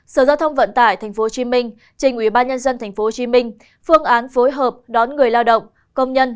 sở giao thông vận tải tp hcm trình ubnd tp hcm phương án phối hợp đón người lao động công nhân